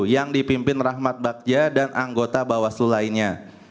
yang dipimpin rahmat bagja dan anggota bawaslu lainnya